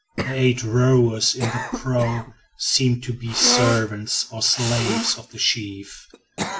The eight rowers in the prow seemed to be servants or slaves of the chief.